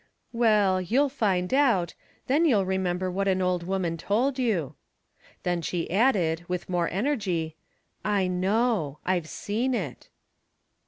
"" Well, you'll find out ; then you'll remember what an old woman told you." Then she added, with more energy :" I know — I've seen' it."